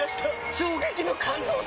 衝撃の感動作！